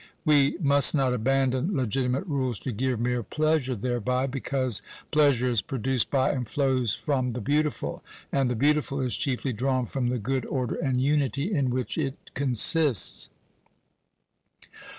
"We must not abandon legitimate rules to give mere pleasure thereby; because pleasure is produced by, and flows from, the beautiful; and the beautiful is chiefly drawn from the good order and unity in which it consists!"